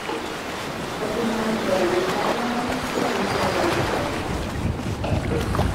Fue filmada en Coronel Charlone, provincia de Buenos Aires.